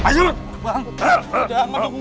bang jangan ngedukung